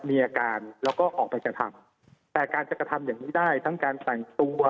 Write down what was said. มีอาการแล้วก็ออกไปกระทำแต่การจะกระทำอย่างนี้ได้ทั้งการแต่งตัว